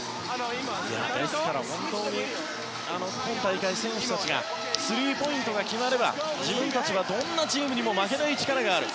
ですから、本当に今大会、選手たちがスリーポイントが決まれば自分たちはどんなチームにも負けない力がある。